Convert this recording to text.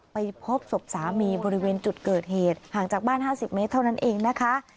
ไปพบศพสามีบริเวณจุดเกิดเหตุห่างจากบ้าน๕๐เมตรเท่านั้นเองนะคะ